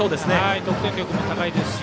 得点力も高いですし。